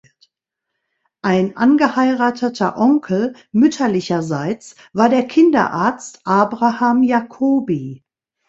Ein angeheirateter Onkel mütterlicherseits war der Kinderarzt Abraham Jacobi.